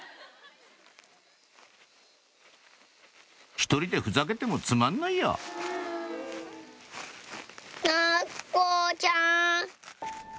「１人でぶざけてもつまんないや」なっこちゃん。